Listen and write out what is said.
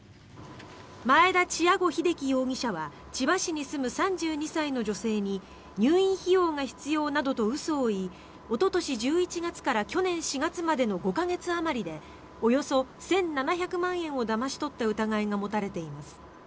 マエダ・チアゴ・ヒデキ容疑者は千葉市に住む３２歳の女性に入院費用が必要などと嘘を言いおととし１１月から去年４月までの５か月あまりでおよそ１７００万円をだまし取った疑いが持たれています。